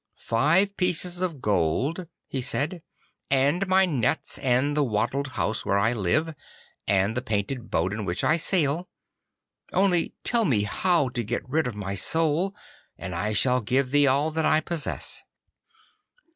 'Five pieces of gold,' he said, 'and my nets, and the wattled house where I live, and the painted boat in which I sail. Only tell me how to get rid of my soul, and I will give thee all that I possess.